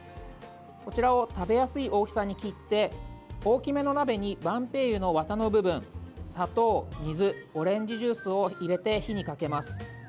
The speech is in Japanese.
こちらを食べやすい大きさに切って大きめの鍋にばんぺいゆのワタの部分砂糖、水、オレンジジュースを入れて火にかけます。